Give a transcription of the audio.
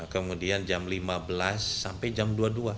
kemudian jam lima belas sampai jam dua puluh dua